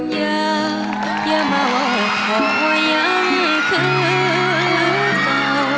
อย่าอย่ามาว่ายังคือเศร้า